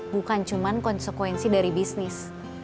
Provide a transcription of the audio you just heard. bukan cuma konsekuensi dari bisnis